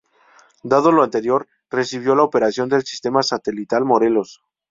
Dado lo anterior, recibió la operación del Sistema Satelital Morelos.